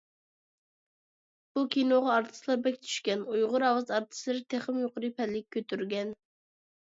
بۇ كىنوغا ئارتىسلار بەك چۈشكەن، ئۇيغۇر ئاۋاز ئارتىسلىرى تېخىمۇ يۇقىرى پەللىگە كۆتۈرگەن.